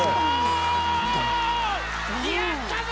やったぞ！